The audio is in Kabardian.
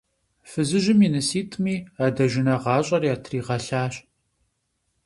Фызыжьым и ныситӀми адэжынэ гъащӀэр ятригъэлъащ.